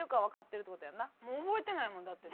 もう覚えてないもんだって。